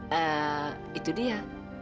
ya itu dia